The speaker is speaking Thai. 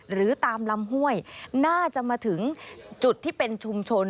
หรือตามลำห้วยน่าจะมาถึงจุดที่เป็นชุมชน